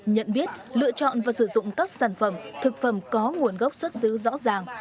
nhận biết lựa chọn và sử dụng các sản phẩm thực phẩm có nguồn gốc xuất xứ rõ ràng